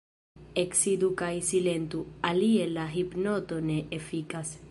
Eksidu kaj silentu, alie la hipnoto ne efikas.